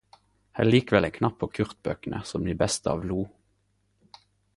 Held likevel ein knapp på Kurt-bøkene som det beste av Loe.